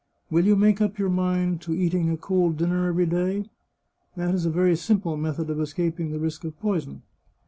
Will you make up your mind to eating a cold dinner every day? That is a very simple method of escap ing the risk of poison.